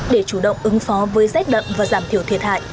để chủ động ứng phó với rét đậm và giảm thiểu thiệt hại